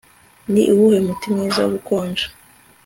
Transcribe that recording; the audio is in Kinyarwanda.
Ni uwuhe muti mwiza wo gukonja